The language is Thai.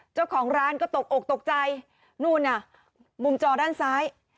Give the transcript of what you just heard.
เจ้าของร้านก็ตกอกตกใจนู่นน่ะมุมจอด้านซ้าย